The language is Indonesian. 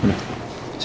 mau gue bunga vip ppp itu